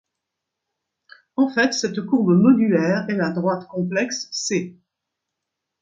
En fait cette courbe modulaire est la droite complexe ℂ.